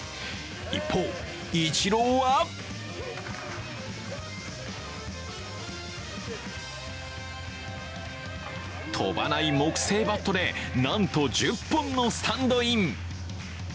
一方、イチローは飛ばない木製バットでなんと１０本のスタンドイン。